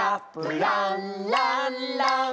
「ランランラン」